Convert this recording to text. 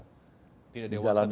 tidak dewasa dalam apa